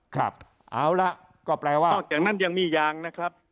ครับเอาละก็แปลว่านอกจากนั้นยังมียางนะครับ